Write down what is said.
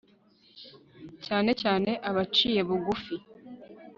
cyane cyane abaciye bugufi